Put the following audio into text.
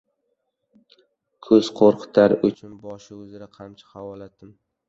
Ko‘z qo‘rqitar uchun boshi uzra qamchi havolatdim.